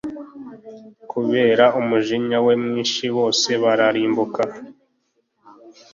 kubera umujinya we mwinshi, bose bararimbuka,